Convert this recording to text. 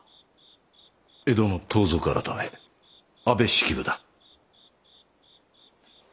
江戸の盗賊改安部式部だ。